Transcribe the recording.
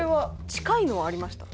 近いのはありました。